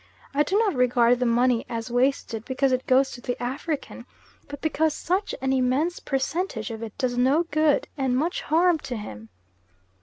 I do not regard the money as wasted because it goes to the African, but because such an immense percentage of it does no good and much harm to him.